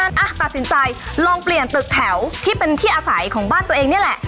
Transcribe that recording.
อ่ะตัดสินใจลองเปลี่ยนตึกแถวที่เป็นที่อาศัยของบ้านตัวเองนี่แหละ